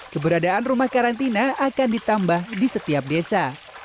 keberadaan rumah karantina akan ditambah di setiap desa